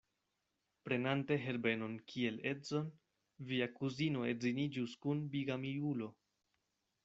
Prenante Herbenon kiel edzon, via kuzino edziniĝus kun bigamiulo.